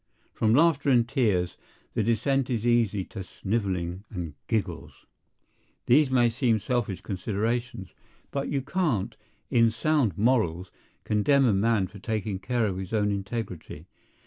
From laughter and tears the descent is easy to snivelling and giggles. These may seem selfish considerations; but you can't, in sound morals, condemn a man for taking care of his own integrity.